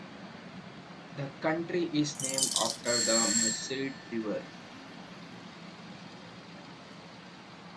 The county is named after the Merced River.